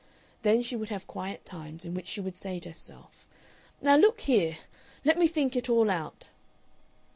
Then she would have quiet times, in which she would say to herself, "Now look here! Let me think it all out!"